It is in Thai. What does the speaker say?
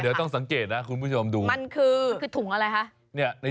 เดี๋ยวต้องสังเกตนะคุณผู้ชมดูมันคือถุงอะไรคะ